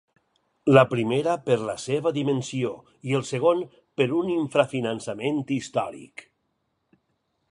La primera, per la seva dimensió i el segon, per un infrafinançament històric.